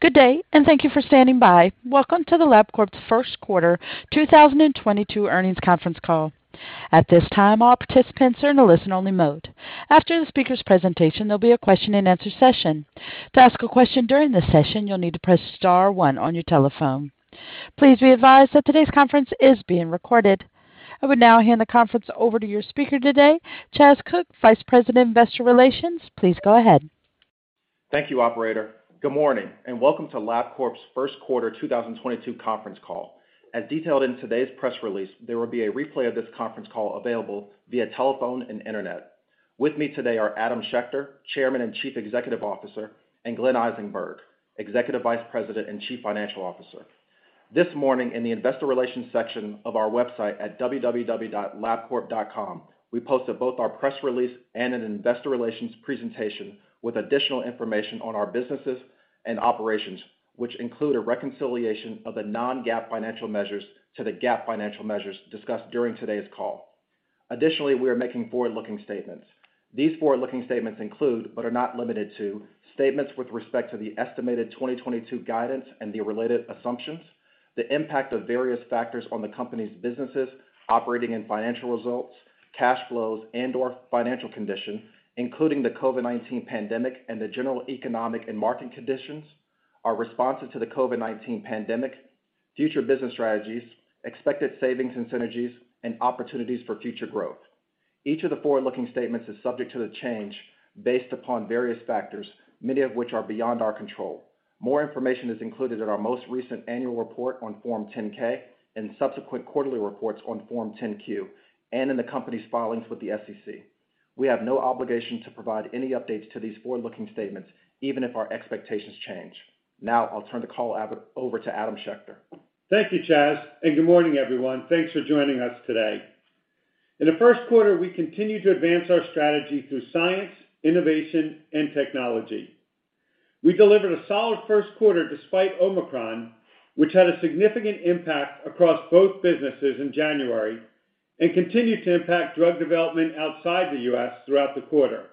Good day, and thank you for standing by. Welcome to the Labcorp First Quarter 2022 Earnings Conference Call. At this time, all participants are in a listen-only mode. After the speaker's presentation, there'll be a question-and-answer session. To ask a question during this session, you'll need to press star one on your telephone. Please be advised that today's conference is being recorded. I would now hand the conference over to your speaker today, Chas Cook, Vice President, Investor Relations. Please go ahead. Thank you, operator. Good morning, and welcome to Labcorp's First Quarter 2022 conference call. As detailed in today's press release, there will be a replay of this conference call available via telephone and internet. With me today are Adam Schechter, Chairman and Chief Executive Officer, and Glenn Eisenberg, Executive Vice President and Chief Financial Officer. This morning, in the investor relations section of our website at www.labcorp.com, we posted both our press release and an investor relations presentation with additional information on our businesses and operations, which include a reconciliation of the non-GAAP financial measures to the GAAP financial measures discussed during today's call. Additionally, we are making forward-looking statements. These forward-looking statements include, but are not limited to statements with respect to the estimated 2022 guidance and the related assumptions, the impact of various factors on the company's businesses, operating and financial results, cash flows, and/or financial condition, including the COVID-19 pandemic and the general economic and market conditions, our responses to the COVID-19 pandemic, future business strategies, expected savings and synergies, and opportunities for future growth. Each of the forward-looking statements is subject to the change based upon various factors, many of which are beyond our control. More information is included in our most recent annual report on Form 10-K and subsequent quarterly reports on Form 10-Q, and in the company's filings with the SEC. We have no obligation to provide any updates to these forward-looking statements even if our expectations change. Now, I'll turn the call over to Adam Schechter. Thank you, Chas, and good morning, everyone. Thanks for joining us today. In the first quarter, we continued to advance our strategy through science, innovation, and technology. We delivered a solid first quarter despite Omicron, which had a significant impact across both businesses in January and continued to impact drug development outside the U.S. throughout the quarter.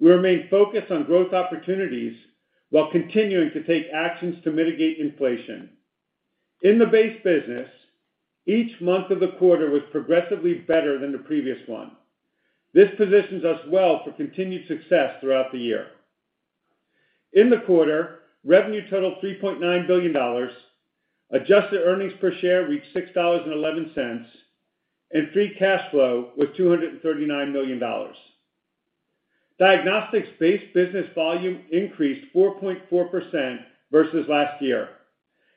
We remain focused on growth opportunities while continuing to take actions to mitigate inflation. In the base business, each month of the quarter was progressively better than the previous one. This positions us well for continued success throughout the year. In the quarter, revenue totaled $3.9 billion, adjusted earnings per share reached $6.11, and free cash flow was $239 million. Diagnostics base business volume increased 4.4% versus last year,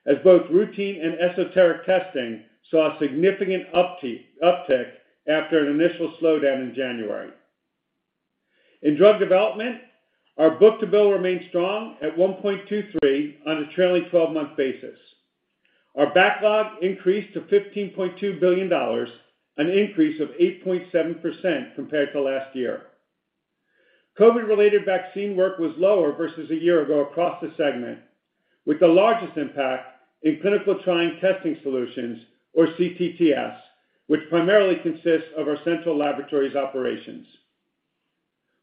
as both routine and esoteric testing saw a significant uptick after an initial slowdown in January. In drug development, our book-to-bill remained strong at 1.23 on a trailing twelve-month basis. Our backlog increased to $15.2 billion, an increase of 8.7% compared to last year. COVID-related vaccine work was lower versus a year ago across the segment, with the largest impact in clinical trial testing solutions or CTTS, which primarily consists of our central laboratories operations.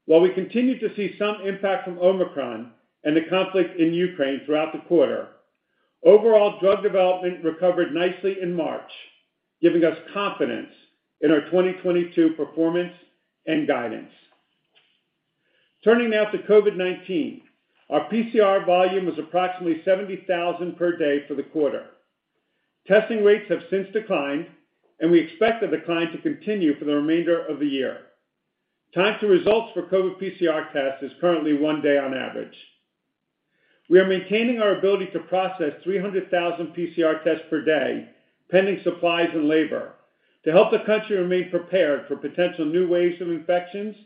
While we continued to see some impact from Omicron and the conflict in Ukraine throughout the quarter, overall drug development recovered nicely in March, giving us confidence in our 2022 performance and guidance. Turning now to COVID-19. Our PCR volume was approximately 70,000 per day for the quarter. Testing rates have since declined, and we expect the decline to continue for the remainder of the year. Time to results for COVID PCR tests is currently one day on average. We are maintaining our ability to process 300,000 PCR tests per day, pending supplies and labor, to help the country remain prepared for potential new waves of infections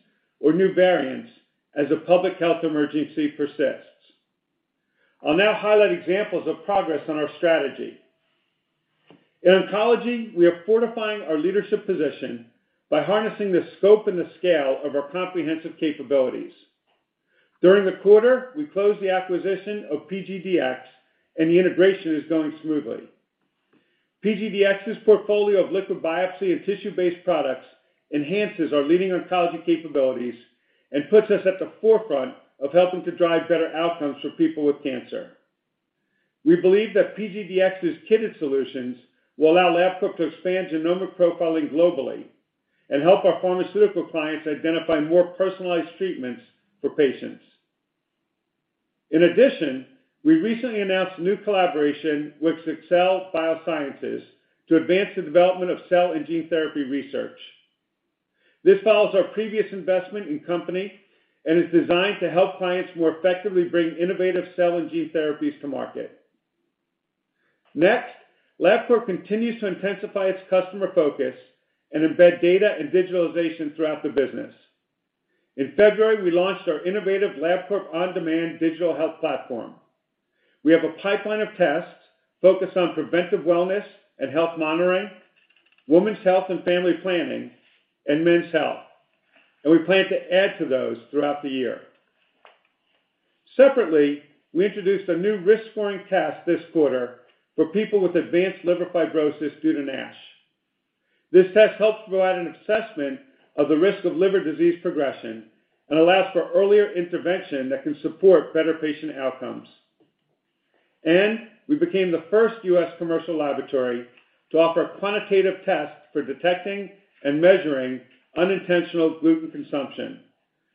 or new variants as a public health emergency persists. I'll now highlight examples of progress on our strategy. In oncology, we are fortifying our leadership position by harnessing the scope and the scale of our comprehensive capabilities. During the quarter, we closed the acquisition of PGDx and the integration is going smoothly. PGDx's portfolio of liquid biopsy and tissue-based products enhances our leading oncology capabilities and puts us at the forefront of helping to drive better outcomes for people with cancer. We believe that PGDx's kitted solutions will allow Labcorp to expand genomic profiling globally and help our pharmaceutical clients identify more personalized treatments for patients. In addition, we recently announced a new collaboration with Xcell Biosciences to advance the development of cell and gene therapy research. This follows our previous investment in the company and is designed to help clients more effectively bring innovative cell and gene therapies to market. Next, Labcorp continues to intensify its customer focus and embed data and digitalization throughout the business. In February, we launched our innovative Labcorp OnDemand digital health platform. We have a pipeline of tests focused on preventive wellness and health monitoring, women's health and family planning, and men's health, and we plan to add to those throughout the year. Separately, we introduced a new risk scoring test this quarter for people with advanced liver fibrosis due to NASH. This test helps provide an assessment of the risk of liver disease progression and allows for earlier intervention that can support better patient outcomes. We became the first U.S. commercial laboratory to offer a quantitative test for detecting and measuring unintentional gluten consumption,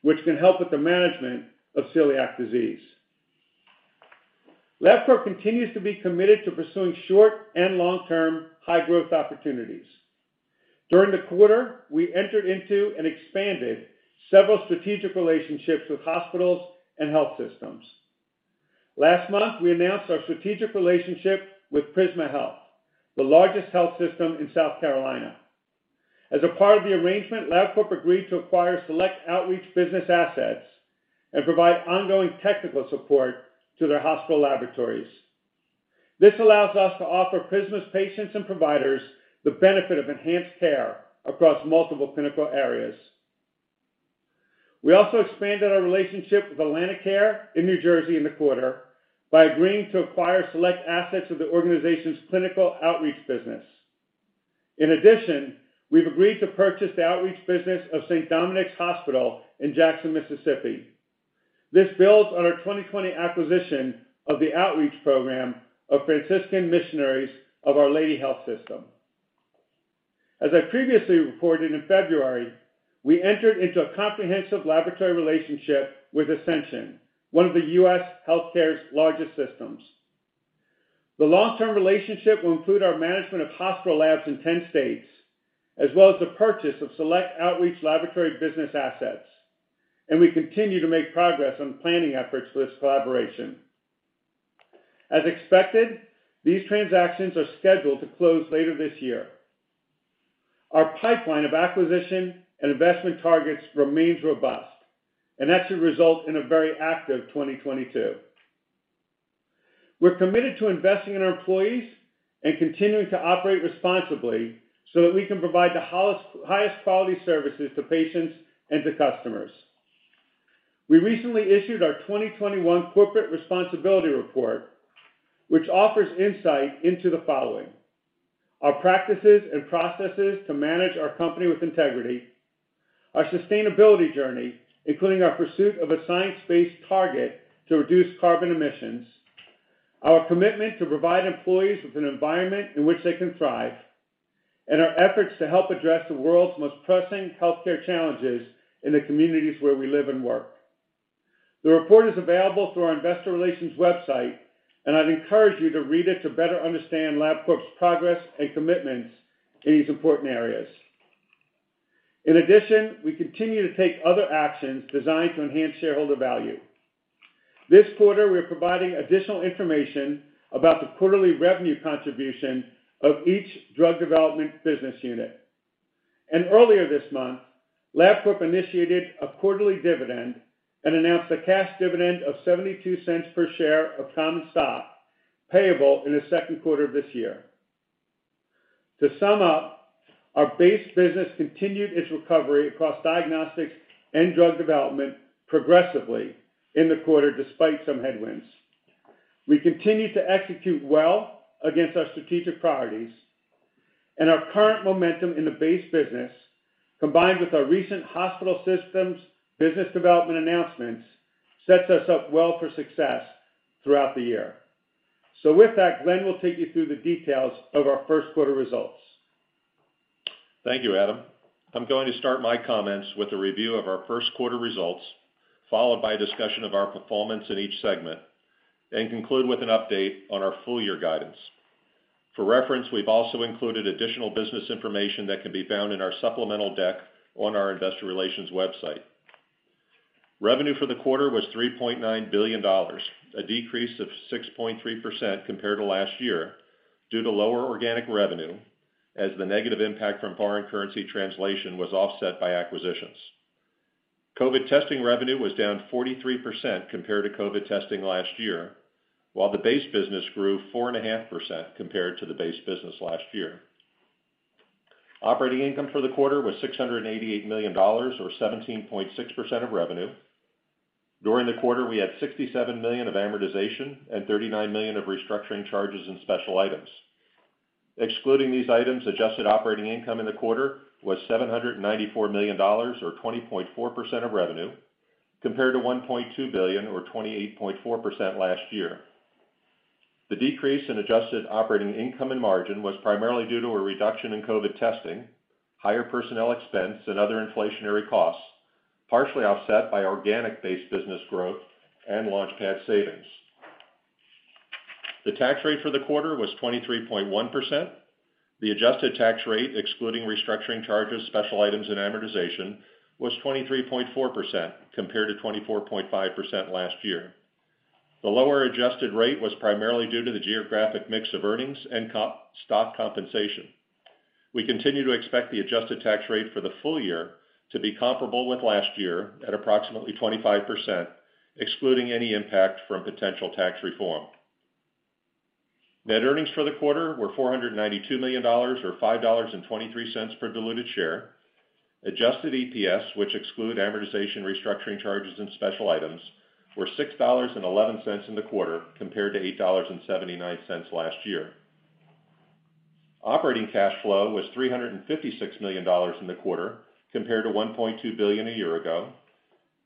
which can help with the management of celiac disease. Labcorp continues to be committed to pursuing short and long-term high-growth opportunities. During the quarter, we entered into and expanded several strategic relationships with hospitals and health systems. Last month, we announced our strategic relationship with Prisma Health, the largest health system in South Carolina. As a part of the arrangement, Labcorp agreed to acquire select outreach business assets and provide ongoing technical support to their hospital laboratories. This allows us to offer Prisma's patients and providers the benefit of enhanced care across multiple clinical areas. We also expanded our relationship with AtlantiCare in New Jersey in the quarter by agreeing to acquire select assets of the organization's clinical outreach business. In addition, we've agreed to purchase the outreach business of St. Dominic's Hospital in Jackson, Mississippi. This builds on our 2020 acquisition of the outreach program of Franciscan Missionaries of Our Lady Health System. As I previously reported in February, we entered into a comprehensive laboratory relationship with Ascension, one of the U.S. healthcare's largest systems. The long-term relationship will include our management of hospital labs in 10 states, as well as the purchase of select outreach laboratory business assets, and we continue to make progress on planning efforts for this collaboration. As expected, these transactions are scheduled to close later this year. Our pipeline of acquisition and investment targets remains robust, and that should result in a very active 2022. We're committed to investing in our employees and continuing to operate responsibly so that we can provide the highest quality services to patients and to customers. We recently issued our 2021 corporate responsibility report, which offers insight into the following. Our practices and processes to manage our company with integrity, our sustainability journey, including our pursuit of a science-based target to reduce carbon emissions, our commitment to provide employees with an environment in which they can thrive, and our efforts to help address the world's most pressing healthcare challenges in the communities where we live and work. The report is available through our investor relations website, and I'd encourage you to read it to better understand Labcorp's progress and commitments in these important areas. In addition, we continue to take other actions designed to enhance shareholder value. This quarter, we're providing additional information about the quarterly revenue contribution of each drug development business unit. Earlier this month, Labcorp initiated a quarterly dividend and announced a cash dividend of $0.72 per share of common stock payable in the second quarter of this year. To sum up, our base business continued its recovery across diagnostics and drug development progressively in the quarter despite some headwinds. We continue to execute well against our strategic priorities, and our current momentum in the base business, combined with our recent hospital systems business development announcements, sets us up well for success throughout the year. With that, Glenn will take you through the details of our first quarter results. Thank you, Adam. I'm going to start my comments with a review of our first quarter results, followed by a discussion of our performance in each segment, and conclude with an update on our full year guidance. For reference, we've also included additional business information that can be found in our supplemental deck on our investor relations website. Revenue for the quarter was $3.9 billion, a decrease of 6.3% compared to last year due to lower organic revenue as the negative impact from foreign currency translation was offset by acquisitions. COVID testing revenue was down 43% compared to COVID testing last year, while the base business grew 4.5% compared to the base business last year. Operating income for the quarter was $688 million, or 17.6% of revenue. During the quarter, we had $67 million of amortization and $39 million of restructuring charges and special items. Excluding these items, adjusted operating income in the quarter was $794 million, or 20.4% of revenue, compared to $1.2 billion or 28.4% last year. The decrease in adjusted operating income and margin was primarily due to a reduction in COVID testing, higher personnel expense, and other inflationary costs, partially offset by organic-based business growth and LaunchPad savings. The tax rate for the quarter was 23.1%. The adjusted tax rate, excluding restructuring charges, special items and amortization, was 23.4% compared to 24.5% last year. The lower adjusted rate was primarily due to the geographic mix of earnings and stock compensation. We continue to expect the adjusted tax rate for the full year to be comparable with last year at approximately 25%, excluding any impact from potential tax reform. Net earnings for the quarter were $492 million or $5.23 per diluted share. Adjusted EPS, which exclude amortization, restructuring charges, and special items, were $6.11 in the quarter compared to $8.79 last year. Operating cash flow was $356 million in the quarter compared to $1.2 billion a year ago.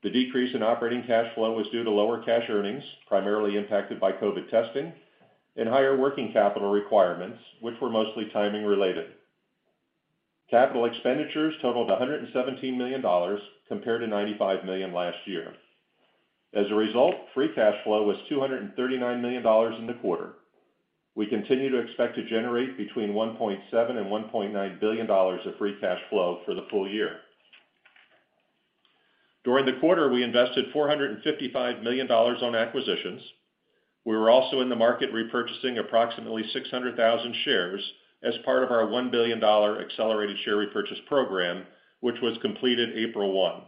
The decrease in operating cash flow was due to lower cash earnings, primarily impacted by COVID testing and higher working capital requirements, which were mostly timing-related. Capital expenditures totaled $117 million compared to $95 million last year. As a result, free cash flow was $239 million in the quarter. We continue to expect to generate between $1.7 billion and $1.9 billion of free cash flow for the full year. During the quarter, we invested $455 million on acquisitions. We were also in the market repurchasing approximately 600,000 shares as part of our $1 billion accelerated share repurchase program, which was completed April 1.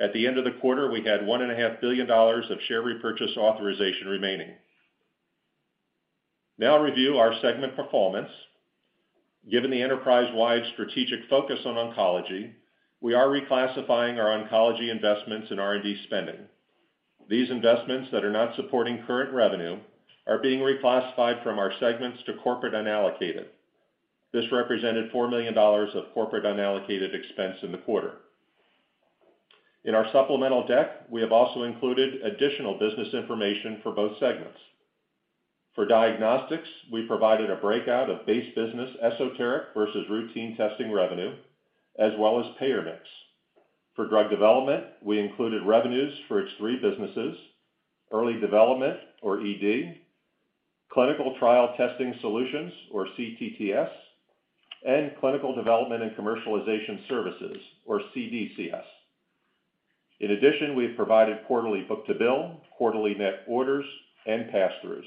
At the end of the quarter, we had $1.5 billion of share repurchase authorization remaining. Now I'll review our segment performance. Given the enterprise-wide strategic focus on oncology, we are reclassifying our oncology investments in R&D spending. These investments that are not supporting current revenue are being reclassified from our segments to corporate unallocated. This represented $4 million of corporate unallocated expense in the quarter. In our supplemental deck, we have also included additional business information for both segments. For diagnostics, we provided a breakout of base business esoteric versus routine testing revenue, as well as payer mix. For drug development, we included revenues for its three businesses, Early Development or ED, Central Lab Testing Services or CTTS, and Clinical Development and Commercialization Services or CDCS. In addition, we have provided quarterly book-to-bill, quarterly net orders, and pass-throughs.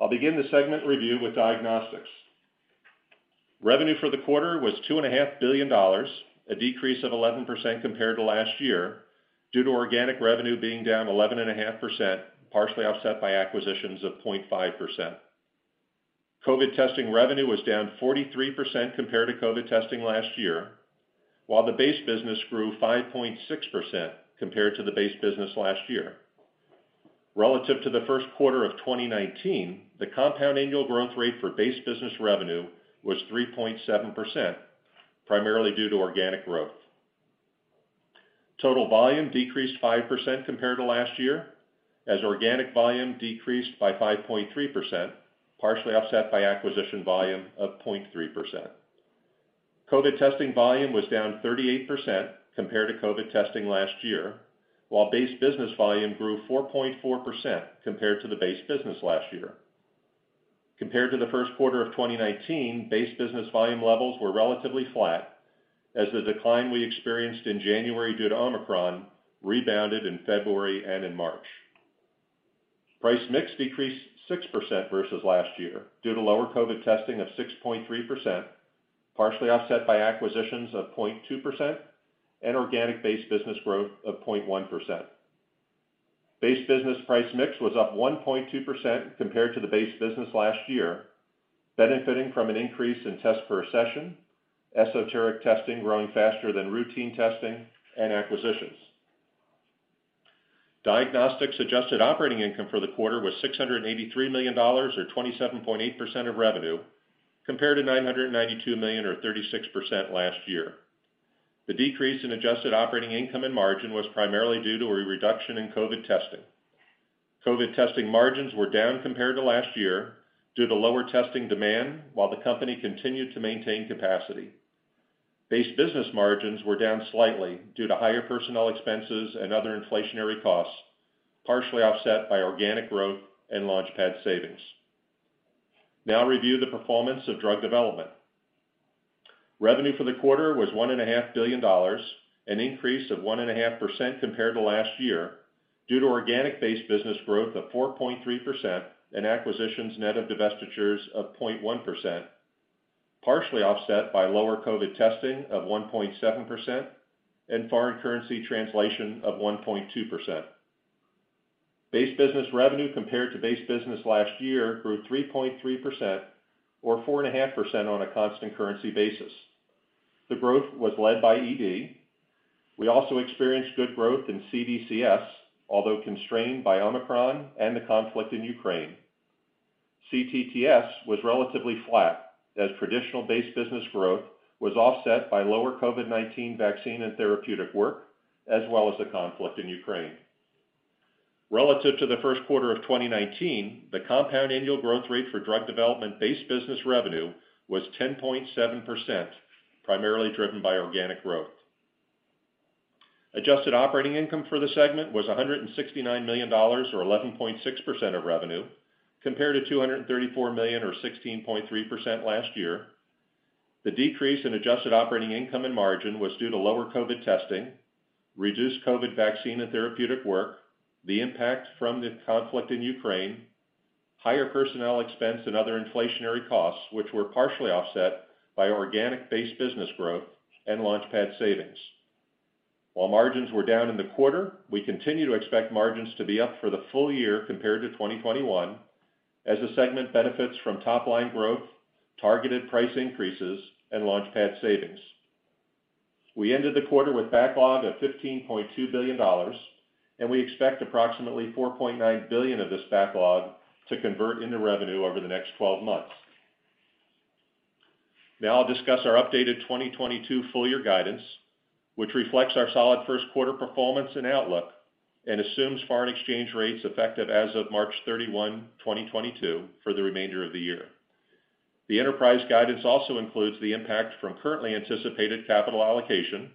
I'll begin the segment review with diagnostics. Revenue for the quarter was two and a half billion dollars, a decrease of 11% compared to last year due to organic revenue being down 11.5%, partially offset by acquisitions of 0.5%. COVID testing revenue was down 43% compared to COVID testing last year, while the base business grew 5.6% compared to the base business last year. Relative to the first quarter of 2019, the compound annual growth rate for base business revenue was 3.7%, primarily due to organic growth. Total volume decreased 5% compared to last year as organic volume decreased by 5.3%, partially offset by acquisition volume of 0.3%. COVID testing volume was down 38% compared to COVID testing last year, while base business volume grew 4.4% compared to the base business last year. Compared to the first quarter of 2019, base business volume levels were relatively flat as the decline we experienced in January due to Omicron rebounded in February and in March. Price mix decreased 6% versus last year due to lower COVID testing of 6.3%, partially offset by acquisitions of 0.2% and organic base business growth of 0.1%. Base business price mix was up 1.2% compared to the base business last year, benefiting from an increase in tests per session, esoteric testing growing faster than routine testing and acquisitions. Diagnostics adjusted operating income for the quarter was $683 million or 27.8% of revenue compared to $992 million or 36% last year. The decrease in adjusted operating income and margin was primarily due to a reduction in COVID testing. COVID testing margins were down compared to last year due to lower testing demand while the company continued to maintain capacity. Base business margins were down slightly due to higher personnel expenses and other inflationary costs, partially offset by organic growth and LaunchPad savings. Now I'll review the performance of drug development. Revenue for the quarter was $1.5 billion, an increase of 1.5% compared to last year due to organic base business growth of 4.3% and acquisitions net of divestitures of 0.1%, partially offset by lower COVID testing of 1.7% and foreign currency translation of 1.2%. Base business revenue compared to base business last year grew 3.3% or 4.5% on a constant currency basis. The growth was led by ED. We also experienced good growth in CDCS, although constrained by Omicron and the conflict in Ukraine. CTTS was relatively flat as traditional base business growth was offset by lower COVID-19 vaccine and therapeutic work, as well as the conflict in Ukraine. Relative to the first quarter of 2019, the compound annual growth rate for drug development base business revenue was 10.7%, primarily driven by organic growth. Adjusted operating income for the segment was $169 million or 11.6% of revenue compared to $234 million or 16.3% last year. The decrease in adjusted operating income and margin was due to lower COVID testing, reduced COVID vaccine and therapeutic work, the impact from the conflict in Ukraine, higher personnel expense and other inflationary costs which were partially offset by organic base business growth and LaunchPad savings. While margins were down in the quarter, we continue to expect margins to be up for the full year compared to 2021 as the segment benefits from top line growth, targeted price increases, and LaunchPad savings. We ended the quarter with backlog of $15.2 billion, and we expect approximately $4.9 billion of this backlog to convert into revenue over the next 12 months. Now I'll discuss our updated 2022 full year guidance, which reflects our solid first quarter performance and outlook and assumes foreign exchange rates effective as of March 31, 2022 for the remainder of the year. The enterprise guidance also includes the impact from currently anticipated capital allocation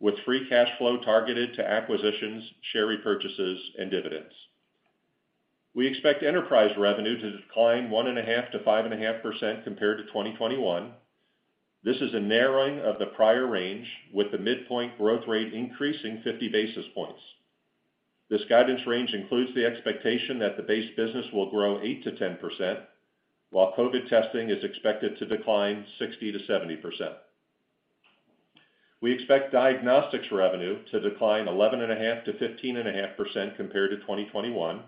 with free cash flow targeted to acquisitions, share repurchases and dividends. We expect enterprise revenue to decline 1.5%-5.5% compared to 2021. This is a narrowing of the prior range, with the midpoint growth rate increasing 50 basis points. This guidance range includes the expectation that the base business will grow 8%-10%, while COVID testing is expected to decline 60%-70%. We expect diagnostics revenue to decline 11.5%-15.5% compared to 2021.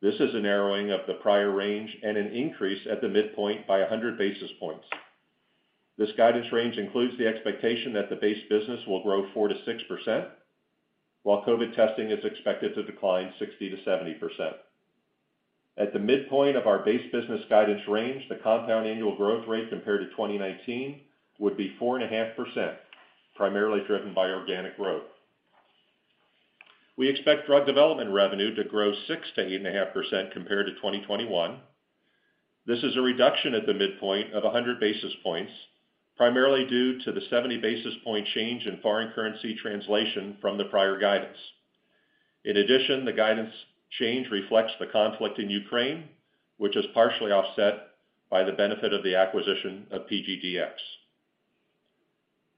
This is a narrowing of the prior range and an increase at the midpoint by 100 basis points. This guidance range includes the expectation that the base business will grow 4%-6%, while COVID testing is expected to decline 60%-70%. At the midpoint of our base business guidance range, the compound annual growth rate compared to 2019 would be 4.5%, primarily driven by organic growth. We expect drug development revenue to grow 6%-8.5% compared to 2021. This is a reduction at the midpoint of 100 basis points, primarily due to the 70 basis point change in foreign currency translation from the prior guidance. In addition, the guidance change reflects the conflict in Ukraine, which is partially offset by the benefit of the acquisition of PGDx.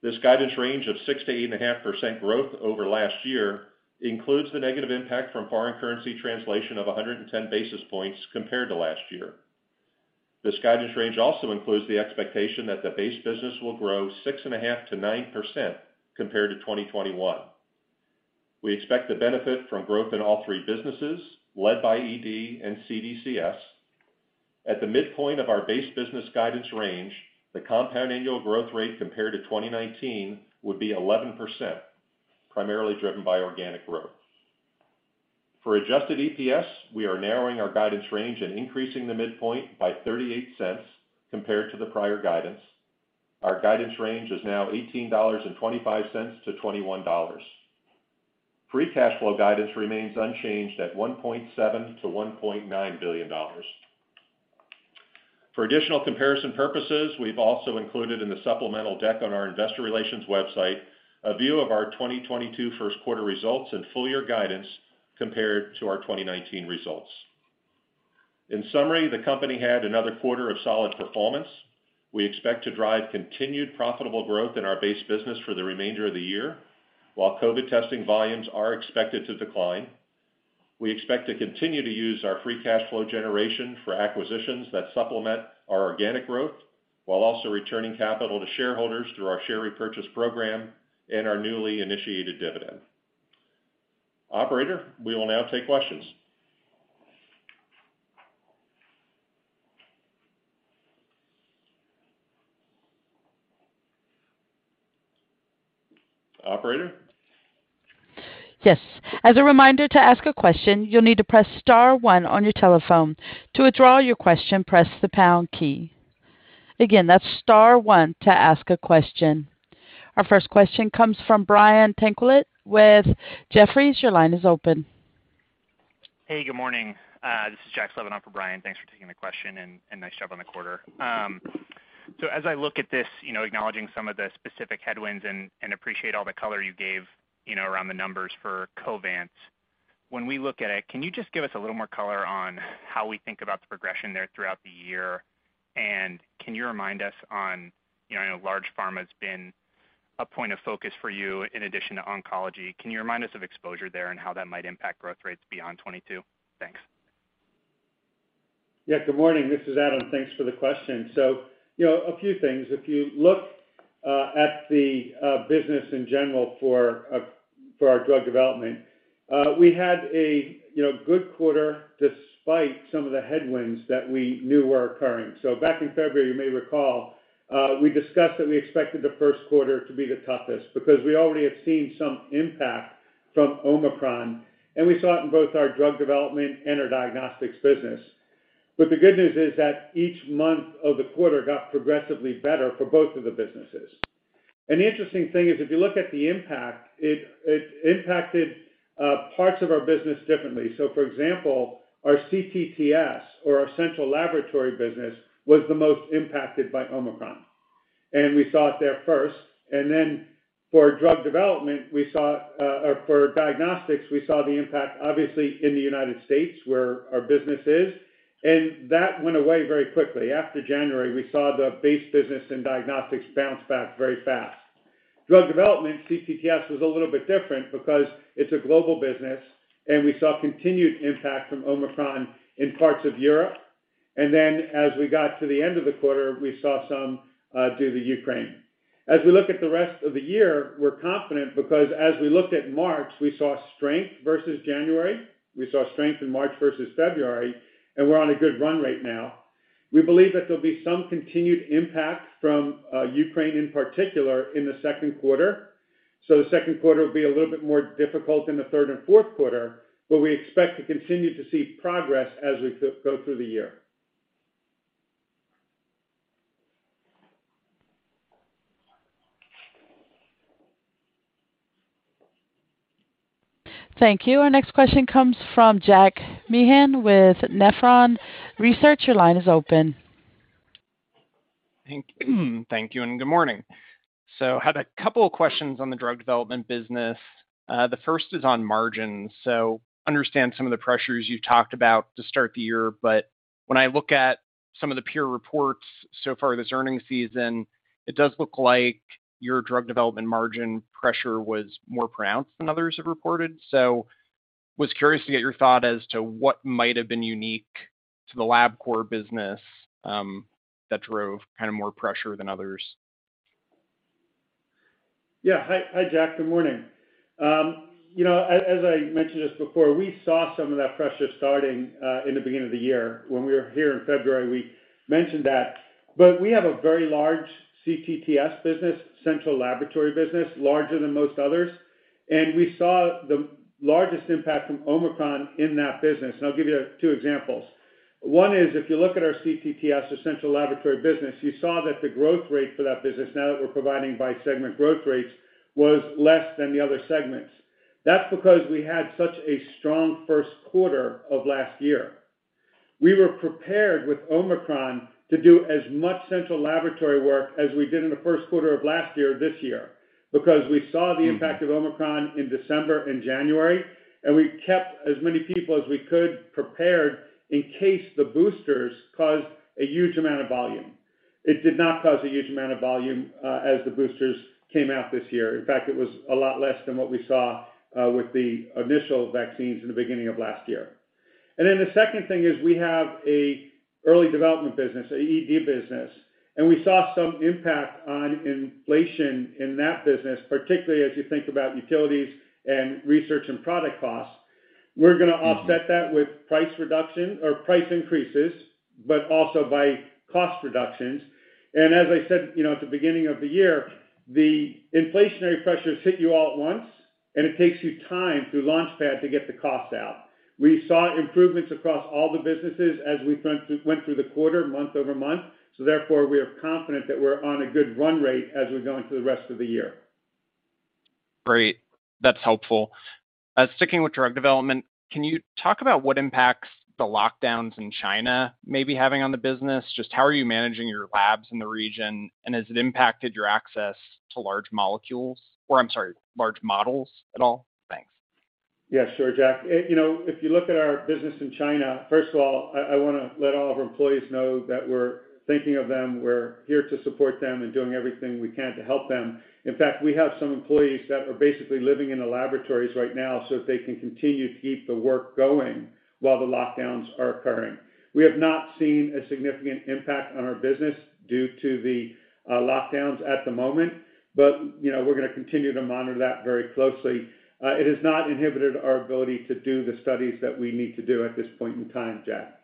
This guidance range of 6%-8.5% growth over last year includes the negative impact from foreign currency translation of 110 basis points compared to last year. This guidance range also includes the expectation that the base business will grow 6.5%-9% compared to 2021. We expect the benefit from growth in all three businesses, led by ED and CDCS. At the midpoint of our base business guidance range, the compound annual growth rate compared to 2019 would be 11%, primarily driven by organic growth. For adjusted EPS, we are narrowing our guidance range and increasing the midpoint by $0.38 compared to the prior guidance. Our guidance range is now $18.25-$21. Free cash flow guidance remains unchanged at $1.7 billion-$1.9 billion. For additional comparison purposes, we've also included in the supplemental deck on our investor relations website a view of our 2022 first quarter results and full year guidance compared to our 2019 results. In summary, the company had another quarter of solid performance. We expect to drive continued profitable growth in our base business for the remainder of the year, while COVID testing volumes are expected to decline. We expect to continue to use our free cash flow generation for acquisitions that supplement our organic growth, while also returning capital to shareholders through our share repurchase program and our newly initiated dividend. Operator, we will now take questions. Operator? Yes. As a reminder, to ask a question, you'll need to press star one on your telephone. To withdraw your question, press the pound key. Again, that's star one to ask a question. Our first question comes from Brian Tanquilut with Jefferies. Your line is open. Hey, good morning. This is Jack stepping in for Brian. Thanks for taking the question and nice job on the quarter. So as I look at this, you know, acknowledging some of the specific headwinds and appreciate all the color you gave, you know, around the numbers for Covance. When we look at it, can you just give us a little more color on how we think about the progression there throughout the year? Can you remind us on, you know, I know large pharma has been a point of focus for you in addition to oncology. Can you remind us of exposure there and how that might impact growth rates beyond 2022? Thanks. Yeah, good morning. This is Adam. Thanks for the question. You know, a few things. If you look at the business in general for our drug development, we had a you know good quarter despite some of the headwinds that we knew were occurring. Back in February, you may recall, we discussed that we expected the first quarter to be the toughest because we already have seen some impact from Omicron, and we saw it in both our drug development and our diagnostics business. The good news is that each month of the quarter got progressively better for both of the businesses. An interesting thing is if you look at the impact, it impacted parts of our business differently. For example, our CTTS or our central laboratory business was the most impacted by Omicron, and we saw it there first. For drug development, we saw, or for diagnostics, we saw the impact, obviously, in the United States where our business is, and that went away very quickly. After January, we saw the base business in diagnostics bounce back very fast. Drug development, CTTS was a little bit different because it's a global business and we saw continued impact from Omicron in parts of Europe. Then as we got to the end of the quarter, we saw some due to Ukraine. As we look at the rest of the year, we're confident because as we looked at March, we saw strength versus January, we saw strength in March versus February, and we're on a good run rate now. We believe that there'll be some continued impact from Ukraine, in particular, in the second quarter. The second quarter will be a little bit more difficult than the third and fourth quarter, but we expect to continue to see progress as we go through the year. Thank you. Our next question comes from Jack Meehan with Nephron Research. Your line is open. Thank you, and good morning. Had a couple of questions on the drug development business. The first is on margins. Understand some of the pressures you talked about to start the year, but when I look at some of the peer reports so far this earnings season, it does look like your drug development margin pressure was more pronounced than others have reported. Was curious to get your thought as to what might have been unique to the Labcorp business, that drove kind of more pressure than others. Yeah. Hi, Jack. Good morning. You know, as I mentioned this before, we saw some of that pressure starting in the beginning of the year. When we were here in February, we mentioned that. We have a very large CTTS business, central laboratory business, larger than most others. We saw the largest impact from Omicron in that business, and I'll give you two examples. One is, if you look at our CTTS or central laboratory business, you saw that the growth rate for that business, now that we're providing by segment growth rates, was less than the other segments. That's because we had such a strong first quarter of last year. We were prepared with Omicron to do as much central laboratory work as we did in the first quarter of last year, this year, because we saw the impact of Omicron in December and January, and we kept as many people as we could prepared in case the boosters caused a huge amount of volume. It did not cause a huge amount of volume, as the boosters came out this year. In fact, it was a lot less than what we saw, with the initial vaccines in the beginning of last year. Then the second thing is we have an early development business, a ED business, and we saw some impact on inflation in that business, particularly as you think about utilities and research and product costs. We're gonna offset that with price reduction or price increases, but also by cost reductions. As I said, you know, at the beginning of the year, the inflationary pressures hit you all at once, and it takes you time through LaunchPad to get the costs out. We saw improvements across all the businesses as we went through the quarter month-over-month, so therefore we are confident that we're on a good run rate as we go into the rest of the year. Great. That's helpful. Sticking with drug development, can you talk about what impacts the lockdowns in China may be having on the business? Just how are you managing your labs in the region, and has it impacted your access to large molecules at all? Thanks. Yeah, sure, Jack. You know, if you look at our business in China, first of all, I wanna let all of our employees know that we're thinking of them, we're here to support them, and doing everything we can to help them. In fact, we have some employees that are basically living in the laboratories right now so that they can continue to keep the work going while the lockdowns are occurring. We have not seen a significant impact on our business due to the lockdowns at the moment, but you know, we're gonna continue to monitor that very closely. It has not inhibited our ability to do the studies that we need to do at this point in time, Jack.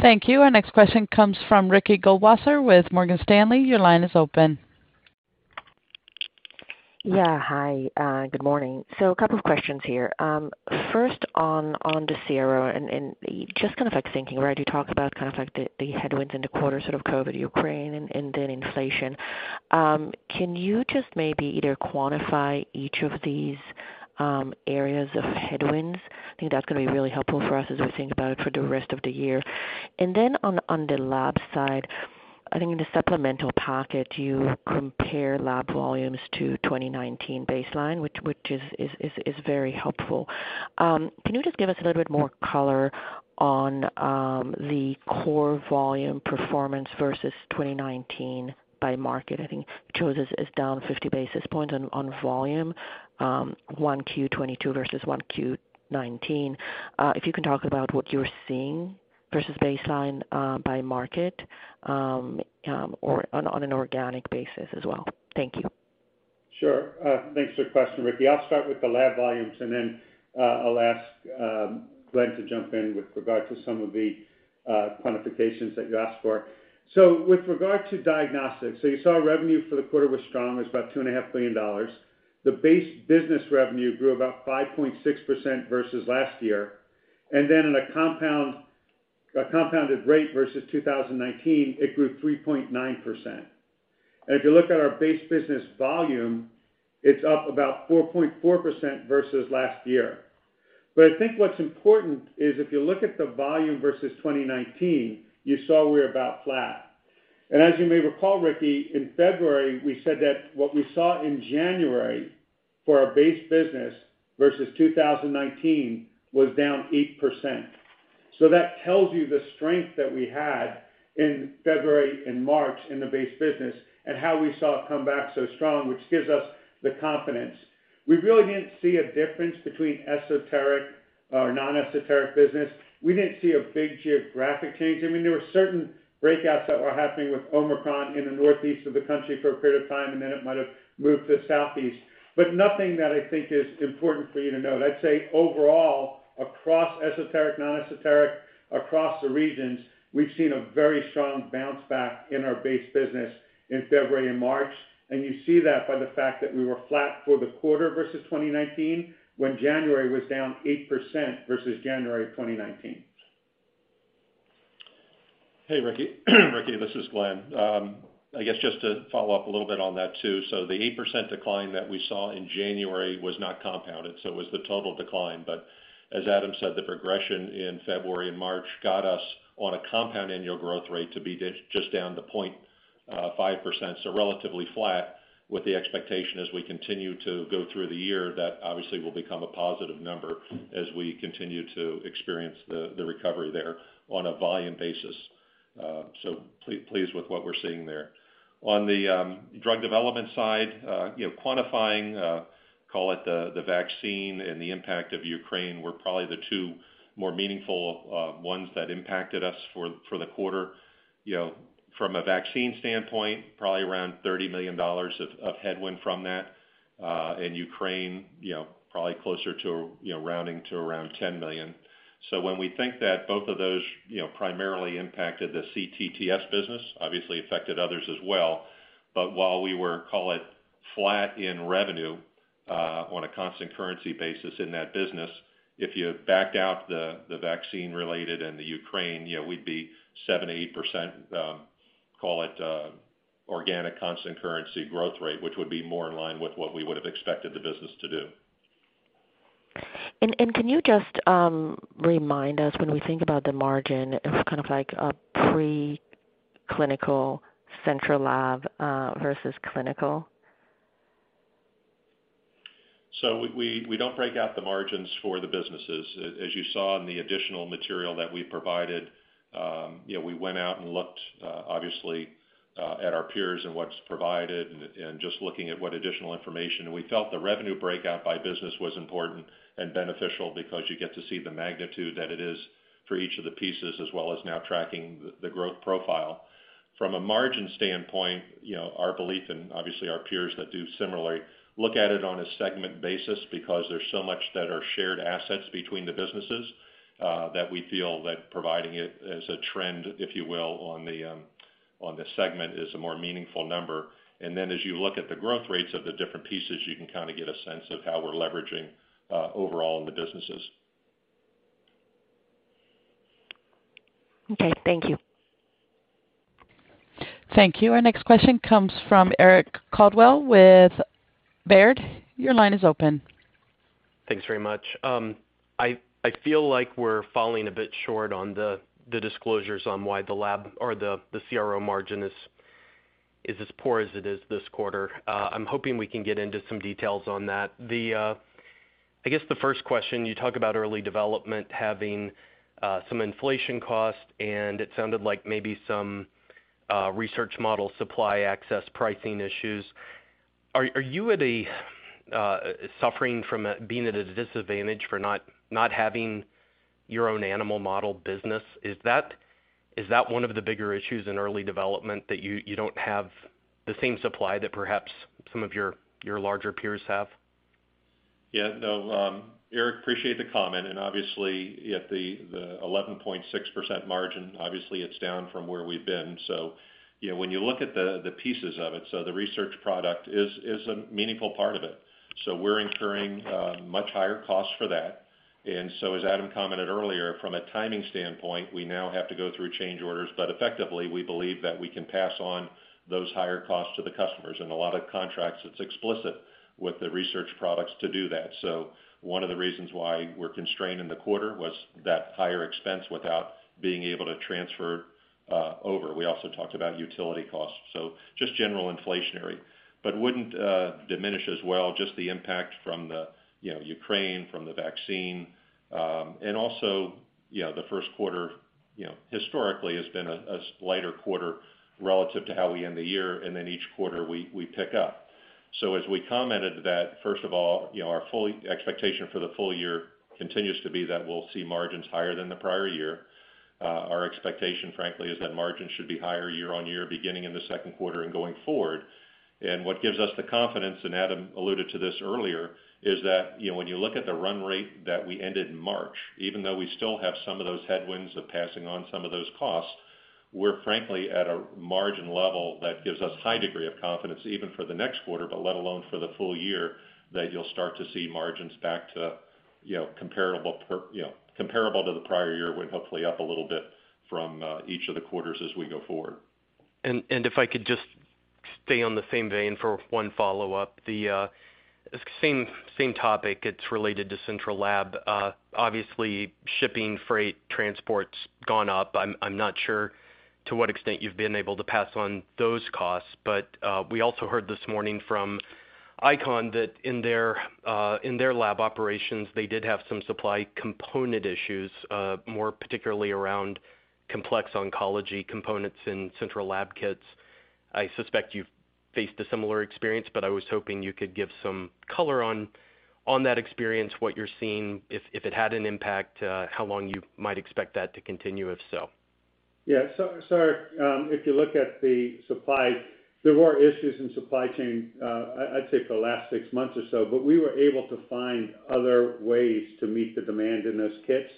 Thank you. Our next question comes from Ricky Goldwasser with Morgan Stanley. Your line is open. Yeah. Hi, good morning. A couple of questions here. First on the CRO and just kind of like thinking, right, you talked about kind of like the headwinds in the quarter, sort of COVID, Ukraine and then inflation. Can you just maybe either quantify each of these areas of headwinds? I think that's gonna be really helpful for us as we think about it for the rest of the year. On the lab side, I think in the supplemental packet, you compare lab volumes to 2019 baseline, which is very helpful. Can you just give us a little bit more color on the core volume performance versus 2019 by market? I think you chose it as down 50 basis points on volume, 1Q 2022 versus 1Q 2019. If you can talk about what you're seeing versus baseline, by market, or on an organic basis as well. Thank you. Sure. Thanks for the question, Ricky. I'll start with the lab volumes and then, I'll ask, Glenn to jump in with regard to some of the, quantifications that you asked for. With regard to diagnostics, you saw revenue for the quarter was strong. It was about $2.5 billion. The base business revenue grew about 5.6% versus last year. Then in a compounded rate versus 2019, it grew 3.9%. If you look at our base business volume, it's up about 4.4% versus last year. I think what's important is if you look at the volume versus 2019, you saw we're about flat. As you may recall, Ricky, in February, we said that what we saw in January for our base business versus 2019 was down 8%. That tells you the strength that we had in February and March in the base business and how we saw it come back so strong, which gives us the confidence. We really didn't see a difference between esoteric or non-esoteric business. We didn't see a big geographic change. I mean, there were certain outbreaks that were happening with Omicron in the Northeast of the country for a period of time, and then it might have moved to the Southeast, but nothing that I think is important for you to know. I'd say overall, across esoteric, non-esoteric, across the regions, we've seen a very strong bounce back in our base business in February and March. You see that by the fact that we were flat for the quarter versus 2019, when January was down 8% versus January 2019. Hey, Ricky. Ricky, this is Glenn. I guess just to follow up a little bit on that, too. The 8% decline that we saw in January was not compounded, so it was the total decline. As Adam said, the progression in February and March got us on a compound annual growth rate to be just down to 0.5%, so relatively flat with the expectation as we continue to go through the year, that obviously will become a positive number as we continue to experience the recovery there on a volume basis. Pleased with what we're seeing there. On the drug development side, you know, quantifying, call it the vaccine and the impact of Ukraine were probably the two more meaningful ones that impacted us for the quarter. You know, from a vaccine standpoint, probably around $30 million of headwind from that. In Ukraine, you know, probably closer to, you know, rounding to around $10 million. When we think that both of those, you know, primarily impacted the CTTS business, obviously affected others as well. While we were, call it, flat in revenue on a constant currency basis in that business, if you backed out the vaccine-related and the Ukraine, you know, we'd be 7%-8%, call it, organic constant currency growth rate, which would be more in line with what we would have expected the business to do. Can you just remind us when we think about the margin of kind of like a pre-clinical central lab versus clinical? We don't break out the margins for the businesses. As you saw in the additional material that we provided, you know, we went out and looked, obviously, at our peers and what's provided and just looking at what additional information. We felt the revenue breakout by business was important and beneficial because you get to see the magnitude that it is for each of the pieces, as well as now tracking the growth profile. From a margin standpoint, you know, our belief and obviously our peers that do similarly look at it on a segment basis because there's so much that are shared assets between the businesses, that we feel that providing it as a trend, if you will, on the segment is a more meaningful number. As you look at the growth rates of the different pieces, you can kinda get a sense of how we're leveraging overall in the businesses. Okay. Thank you. Thank you. Our next question comes from Eric Coldwell with Baird. Your line is open. Thanks very much. I feel like we're falling a bit short on the disclosures on why the lab or the CRO margin is as poor as it is this quarter. I'm hoping we can get into some details on that. I guess the first question, you talk about Early Development having some inflation costs, and it sounded like maybe some research model supply access pricing issues. Are you suffering from being at a disadvantage for not having your own animal model business? Is that one of the bigger issues in Early Development that you don't have the same supply that perhaps some of your larger peers have? Yeah. No, Eric, appreciate the comment. Obviously, yeah, the 11.6% margin, obviously, it's down from where we've been. You know, when you look at the pieces of it, the research product is a meaningful part of it. We're incurring much higher costs for that. As Adam commented earlier, from a timing standpoint, we now have to go through change orders. Effectively, we believe that we can pass on those higher costs to the customers. In a lot of contracts, it's explicit with the research products to do that. One of the reasons why we're constrained in the quarter was that higher expense without being able to transfer over. We also talked about utility costs, just general inflationary. Wouldn't diminish as well just the impact from the Ukraine, from the vaccine. The first quarter historically has been a lighter quarter relative to how we end the year, and then each quarter we pick up. As we commented, first of all, our full-year expectation for the full year continues to be that we'll see margins higher than the prior year. Our expectation, frankly, is that margins should be higher year-over-year, beginning in the second quarter and going forward. What gives us the confidence, and Adam alluded to this earlier, is that, you know, when you look at the run rate that we ended in March, even though we still have some of those headwinds of passing on some of those costs, we're frankly at a margin level that gives us high degree of confidence even for the next quarter, but let alone for the full year, that you'll start to see margins back to, you know, comparable to the prior year, with hopefully up a little bit from each of the quarters as we go forward. If I could just stay on the same vein for one follow-up. The same topic. It's related to central lab. Obviously shipping freight transport's gone up. I'm not sure to what extent you've been able to pass on those costs. We also heard this morning from- ICON, that in their lab operations, they did have some supply component issues, more particularly around complex oncology components in central lab kits. I suspect you've faced a similar experience, but I was hoping you could give some color on that experience, what you're seeing, if it had an impact, how long you might expect that to continue, if so. If you look at the supply, there were issues in supply chain. I'd say for the last six months or so, but we were able to find other ways to meet the demand in those kits.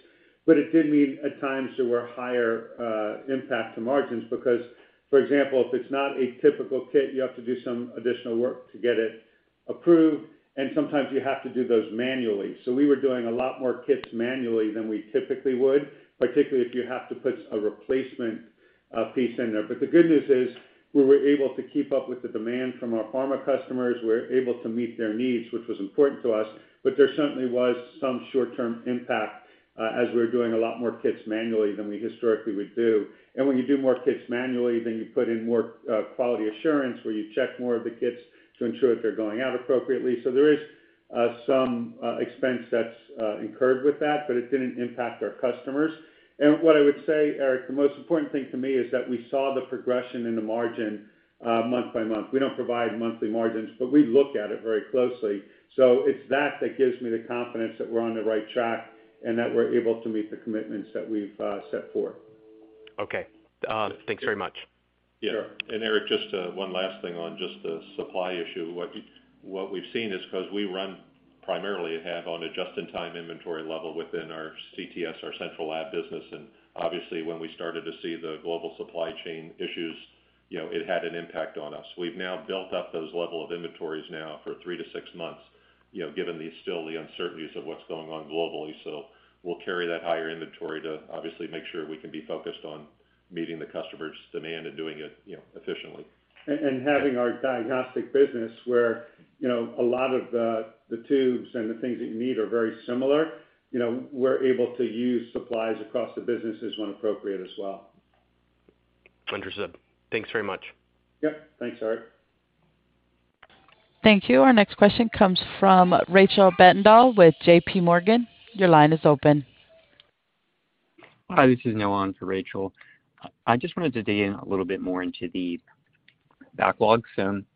It did mean at times there were higher impact to margins because, for example, if it's not a typical kit, you have to do some additional work to get it approved, and sometimes you have to do those manually. We were doing a lot more kits manually than we typically would, particularly if you have to put a replacement piece in there. The good news is we were able to keep up with the demand from our pharma customers. We're able to meet their needs, which was important to us. There certainly was some short-term impact, as we were doing a lot more kits manually than we historically would do. When you do more kits manually, then you put in more quality assurance, where you check more of the kits to ensure that they're going out appropriately. There is some expense that's incurred with that, but it didn't impact our customers. What I would say, Eric, the most important thing to me is that we saw the progression in the margin month by month. We don't provide monthly margins, but we look at it very closely. It's that that gives me the confidence that we're on the right track and that we're able to meet the commitments that we've set forth. Okay. Thanks very much. Sure. Yeah. Eric, just one last thing on just the supply issue. What we've seen is 'cause we run primarily on a just-in-time inventory level within our CTTS, our central lab business. Obviously when we started to see the global supply chain issues, you know, it had an impact on us. We've now built up those level of inventories now for 3-6 months, you know, given the still the uncertainties of what's going on globally. We'll carry that higher inventory to obviously make sure we can be focused on meeting the customer's demand and doing it, you know, efficiently. Having our diagnostic business where, you know, a lot of the tubes and the things that you need are very similar, you know, we're able to use supplies across the businesses when appropriate as well. Understood. Thanks very much. Yep. Thanks, Eric. Thank you. Our next question comes from Rachel Vatnsdal with JP Morgan. Your line is open. Hi, this is Noah on for Rachel. I just wanted to dig in a little bit more into the backlog. Could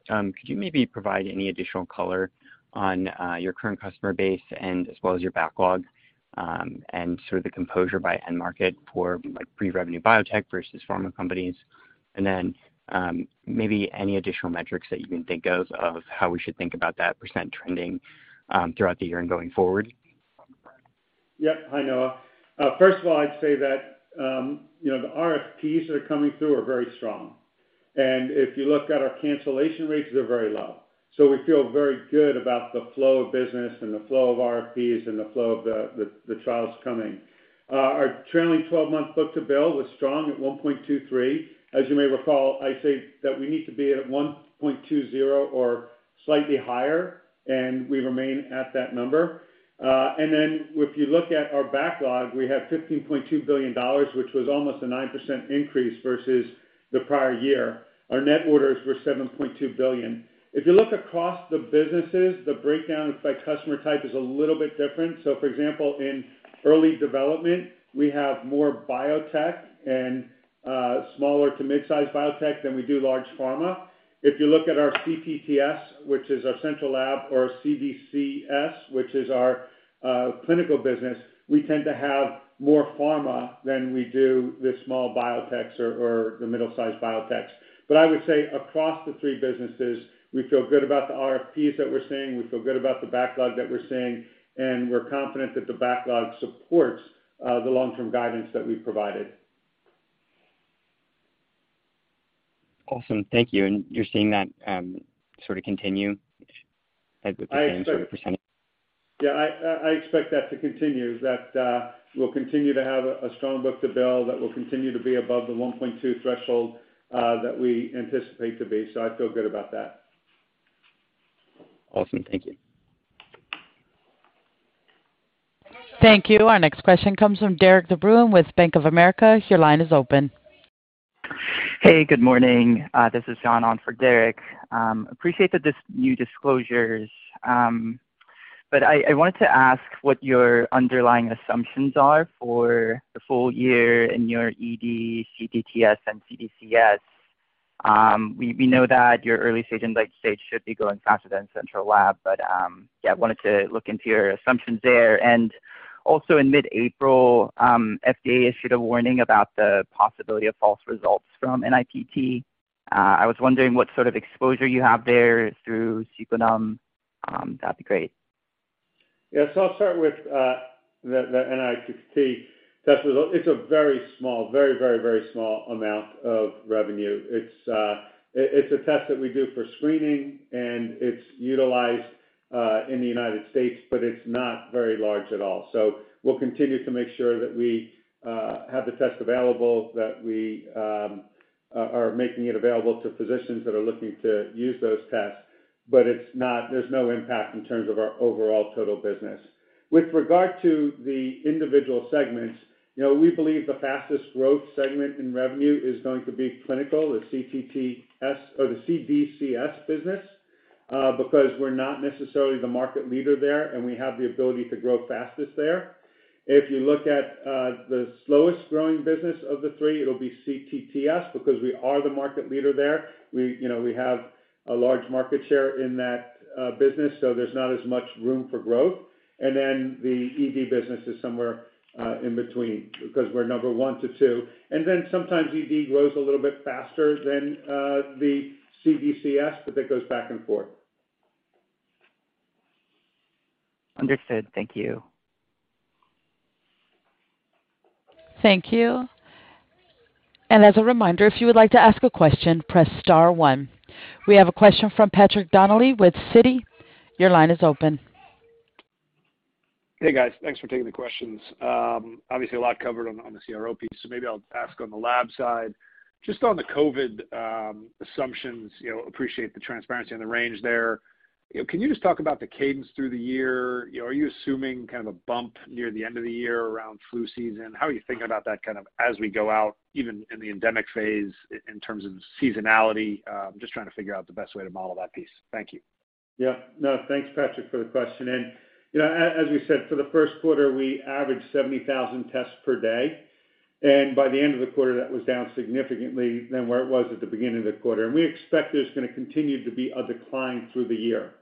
you maybe provide any additional color on your current customer base and as well as your backlog, and sort of the composition by end market for like pre-revenue biotech versus pharma companies? Maybe any additional metrics that you can think of how we should think about that percent trending throughout the year and going forward? Yep. Hi, Noah. First of all, I'd say that, you know, the RFPs that are coming through are very strong. If you look at our cancellation rates, they're very low. We feel very good about the flow of business and the flow of RFPs and the flow of the trials coming. Our trailing twelve-month book-to-bill was strong at 1.23. As you may recall, I say that we need to be at a 1.20 or slightly higher, and we remain at that number. If you look at our backlog, we have $15.2 billion, which was almost a 9% increase versus the prior year. Our net orders were $7.2 billion. If you look across the businesses, the breakdown by customer type is a little bit different. For example, in early development, we have more biotech and smaller to mid-size biotech than we do large pharma. If you look at our CTTS, which is our central lab or CDCS, which is our clinical business, we tend to have more pharma than we do the small biotechs or the middle-sized biotechs. I would say across the three businesses, we feel good about the RFPs that we're seeing. We feel good about the backlog that we're seeing, and we're confident that the backlog supports the long-term guidance that we've provided. You're seeing that, sort of continue at the same sort of percentage? Yeah. I expect that to continue, that we'll continue to have a strong book-to-bill that will continue to be above the 1.2 threshold, that we anticipate to be. I feel good about that. Awesome. Thank you. Thank you. Our next question comes from Derik de Bruin with Bank of America. Your line is open. Hey, good morning. This is John on for Derik de Bruin. Appreciate the new disclosures. But I wanted to ask what your underlying assumptions are for the full year in your ED, CTTS, and CDCS. We know that your early stage and late stage should be going faster than central lab, but yeah, wanted to look into your assumptions there. Also in mid-April, FDA issued a warning about the possibility of false results from NIPT. I was wondering what sort of exposure you have there through Sequenom. That'd be great. Yeah. I'll start with the NIPT test. It's a very small amount of revenue. It's a test that we do for screening, and it's utilized in the United States, but it's not very large at all. We'll continue to make sure that we have the test available, that we are making it available to physicians that are looking to use those tests. But it's not. There's no impact in terms of our overall total business. With regard to the individual segments, you know, we believe the fastest growth segment in revenue is going to be clinical, the CTTS or the CDCS business, because we're not necessarily the market leader there, and we have the ability to grow fastest there. If you look at the slowest growing business of the three, it'll be CTTS because we are the market leader there. You know, we have a large market share in that business, so there's not as much room for growth. Then the ED business is somewhere in between because we're number one to two, and then sometimes ED grows a little bit faster than the CDCS, but that goes back and forth. Understood. Thank you. Thank you. As a reminder, if you would like to ask a question, press star one. We have a question from Patrick Donnelly with Citi. Your line is open. Hey, guys. Thanks for taking the questions. Obviously a lot covered on the CRO piece, so maybe I'll ask on the lab side. Just on the COVID assumptions, you know, appreciate the transparency on the range there. You know, can you just talk about the cadence through the year? You know, are you assuming kind of a bump near the end of the year around flu season? How are you thinking about that kind of as we go out, even in the endemic phase in terms of seasonality? Just trying to figure out the best way to model that piece. Thank you. Yeah. No, thanks, Patrick, for the question. You know, as we said, for the first quarter, we averaged 70,000 tests per day, and by the end of the quarter, that was down significantly than where it was at the beginning of the quarter. We expect there's gonna continue to be a decline through the year.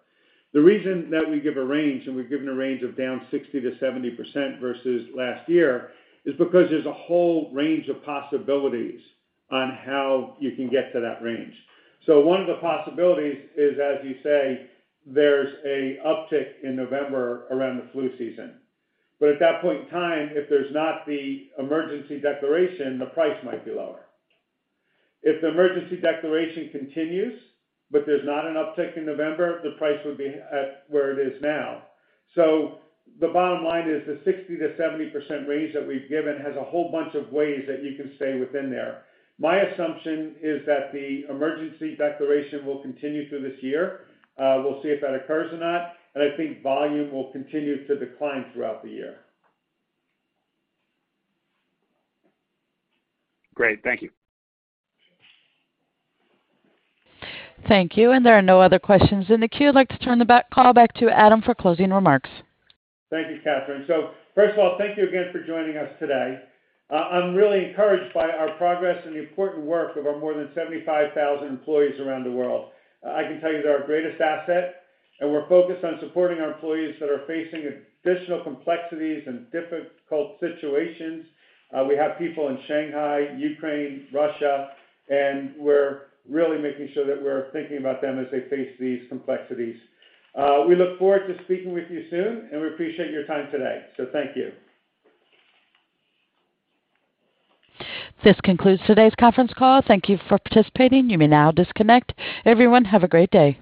The reason that we give a range, and we've given a range of down 60%-70% versus last year, is because there's a whole range of possibilities on how you can get to that range. One of the possibilities is, as you say, there's a uptick in November around the flu season, but at that point in time, if there's not the emergency declaration, the price might be lower. If the emergency declaration continues, but there's not an uptick in November, the price would be at where it is now. The bottom line is the 60%-70% range that we've given has a whole bunch of ways that you can stay within there. My assumption is that the emergency declaration will continue through this year. We'll see if that occurs or not, and I think volume will continue to decline throughout the year. Great. Thank you. Thank you. There are no other questions in the queue. I'd like to turn the call back to Adam for closing remarks. Thank you, Catherine. First of all, thank you again for joining us today. I'm really encouraged by our progress and the important work of our more than 75,000 employees around the world. I can tell you they're our greatest asset, and we're focused on supporting our employees that are facing additional complexities and difficult situations. We have people in Shanghai, Ukraine, Russia, and we're really making sure that we're thinking about them as they face these complexities. We look forward to speaking with you soon, and we appreciate your time today. Thank you. This concludes today's conference call. Thank you for participating. You may now disconnect. Everyone, have a great day.